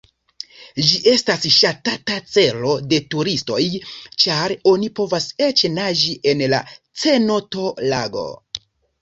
Ĝi estas ŝatata celo de turistoj, ĉar oni povas eĉ naĝi en la cenoto-lago.